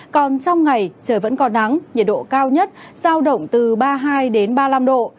còn trong ngày trời vẫn còn nắng nhiệt độ cao nhất giao động từ ba mươi hai ba mươi năm độ